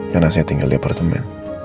karena saya tinggal di apartemen